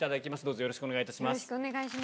よろしくお願いします。